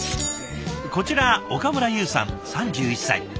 こちら岡村優さん３１歳。